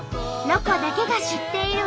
「ロコだけが知っている」。